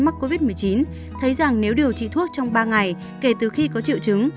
mắc covid một mươi chín thấy rằng nếu điều trị thuốc trong ba ngày kể từ khi có triệu chứng